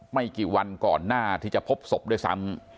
ไม่กี่วันก่อนหน้าที่จะพบศพด้วยซ้ำ